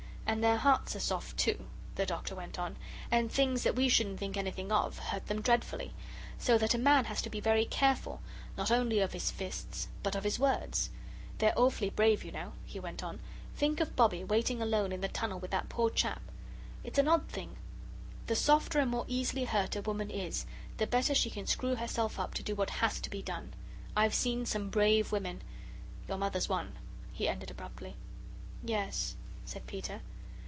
"And their hearts are soft, too," the Doctor went on, "and things that we shouldn't think anything of hurt them dreadfully. So that a man has to be very careful, not only of his fists, but of his words. They're awfully brave, you know," he went on. "Think of Bobbie waiting alone in the tunnel with that poor chap. It's an odd thing the softer and more easily hurt a woman is the better she can screw herself up to do what HAS to be done. I've seen some brave women your Mother's one," he ended abruptly. "Yes," said Peter.